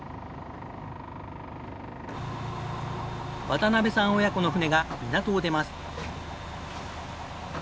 渡辺さん親子の船が港を出ます。